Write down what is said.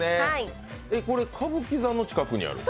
これ歌舞伎座の近くにある？